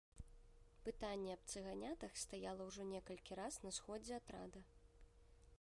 Пытанне аб цыганятах стаяла ўжо некалькі раз на сходзе атрада.